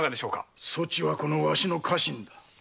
そちはわしの家臣だ。